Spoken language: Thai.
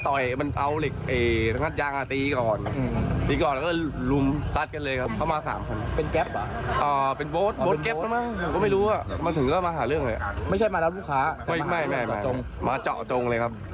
ก็บอกว่าทั้งอีกฝั่งนึงเริ่มก่อนทั้งฝั่งเขาไม่ได้เริ่มก่อนเลยจริง